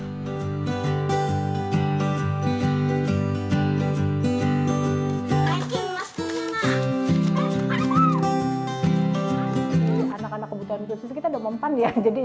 dan juga untuk membuatnya lebih mudah